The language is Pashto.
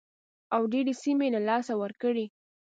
او ډېرې سیمې یې له لاسه ورکړې.